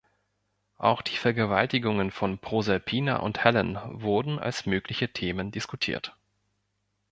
Auch die Vergewaltigungen von Proserpina und Helen wurden als mögliche Themen diskutiert.